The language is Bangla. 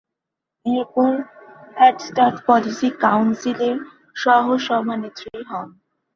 এরপর হেড স্টার্ট পলিসি কাউন্সিলের সহ-সভানেত্রী হন।